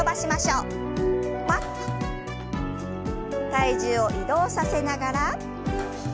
体重を移動させながら。